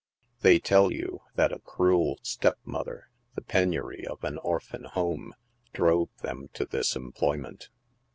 They tell you that a cruel stepmother— the penury of an orphan home — drove them to this employment.